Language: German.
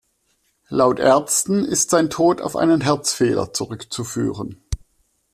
Laut Ärzten ist sein Tod auf einen Herzfehler zurückzuführen.